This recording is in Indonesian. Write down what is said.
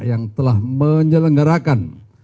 yang telah menyelenggarakan